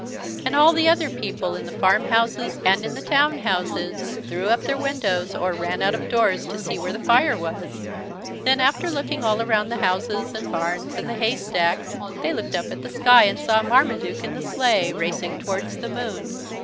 And all the other people, in the farmhouses and in the town houses, threw up their windows or ran out of doors to see where the fire was. Then, after looking all around the houses and barns and the haystacks, they looked up at the sky and saw Marmaduke in the sleigh, racing towards the moon.